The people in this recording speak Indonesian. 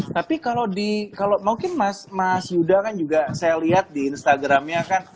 tapi kalau mungkin mas yuda kan juga saya lihat di instagramnya kan